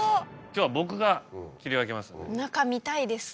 今日は僕が切り分けます。